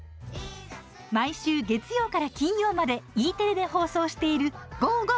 毎週月曜から金曜までＥテレで放送している「ゴー！